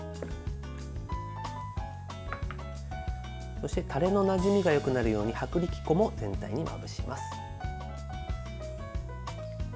そして、タレのなじみがよくなるように薄力粉も全体にまぶします。